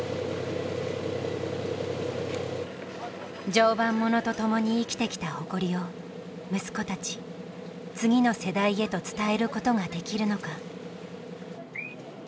常磐ものとともに生きてきた誇りを息子たち次の世代へと伝えることができるのか。